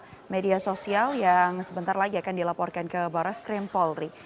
akan ada lima akun media sosial yang sebentar lagi akan dilaporkan ke barreskrim polri